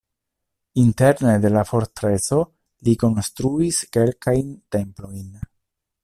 Interne de la fortreso li konstruis kelkajn templojn.